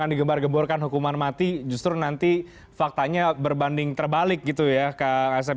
yang digembar gemborkan hukuman mati justru nanti faktanya berbanding terbalik gitu ya kang asep